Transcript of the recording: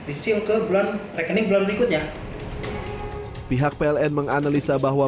isil ke bulan rekening bulan berikutnya